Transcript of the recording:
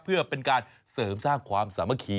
เพื่อเป็นการเสริมสร้างความสามัคคี